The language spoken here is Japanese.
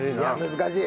難しい！